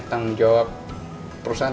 tanggung jawab perusahaan